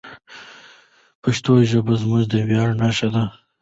پښتو ژبه زموږ د ویاړ نښه ده.